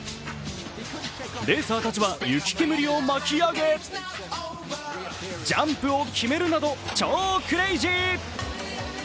レーサーたちは雪煙を巻き上げジャンプを決めるなど超クレージー。